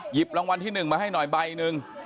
หยิบรางวัลที่หนึ่งมาให้หน่อยใบหนึ่ง